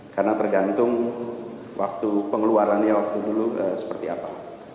karena tergantung pengeluarannya waktu dulu seperti apa